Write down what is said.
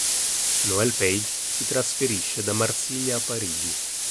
Noelle Page si trasferisce da Marsiglia a Parigi.